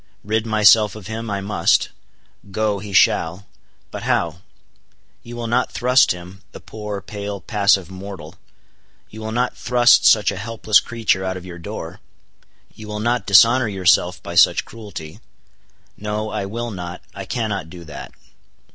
Rid myself of him, I must; go, he shall. But how? You will not thrust him, the poor, pale, passive mortal,—you will not thrust such a helpless creature out of your door? you will not dishonor yourself by such cruelty? No, I will not, I cannot do that.